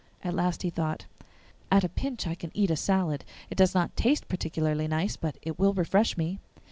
At last he thought, 'At a pinch I can eat a salad; it does not taste particularly nice, but it will refresh me.